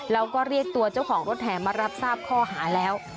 แล้วก็เรียกตัวเจ้าของรถแห่มารับทราบข้อหาแล้ว